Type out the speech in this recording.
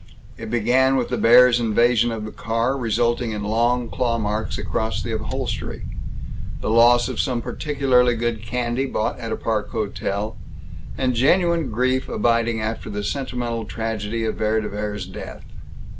It began with the bear's invasion of the car, resulting in long claw marks across the upholstery, the loss of some particularly good candy bought at a Park hotel, and genuine grief abiding after the sentimental tragedy of Vere de Vere's death.